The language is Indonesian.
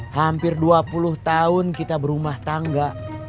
hampir dua puluh tahun kita berumah tangga